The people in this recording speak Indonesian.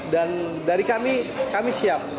dan dari kami kami siap